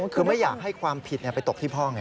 คือไม่อยากให้ความผิดไปตกที่พ่อไง